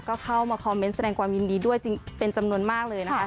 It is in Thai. ก็เข้ามาคอมเมนต์แสดงความยินดีด้วยเป็นจำนวนมากเลยนะคะ